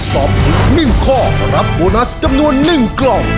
ตอบถูก๑ข้อรับโบนัสจำนวน๑กล่อง